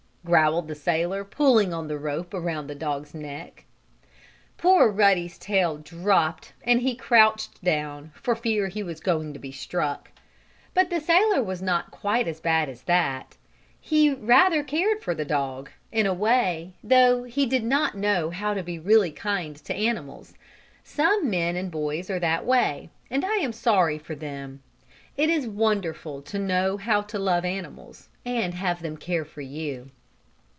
growled the sailor, pulling on the rope around the dog's neck. Poor Ruddy's tail dropped and he crouched down, for he feared he was going to be struck. But the sailor was not quite as bad as that. He rather cared for the dog, in a way, though he did not know how to be really kind to animals. Some men and boys are that way, and I am sorry for them. It is wonderful to know how to love animals, and have them care for you.